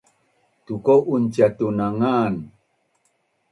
Tuko’un ciatun na ngan?